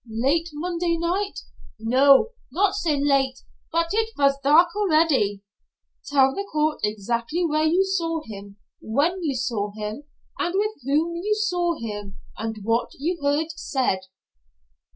"Late Monday night?" "No, not so late, bot it vas dark already." "Tell the court exactly where you saw him, when you saw him, and with whom you saw him, and what you heard said."